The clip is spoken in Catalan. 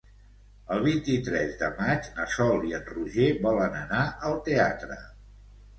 El vint-i-tres de maig na Sol i en Roger volen anar al teatre.